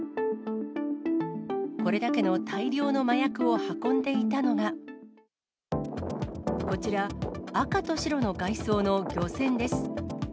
これだけの大量の麻薬を運んでいたのが、こちら、赤と白の外装の漁船です。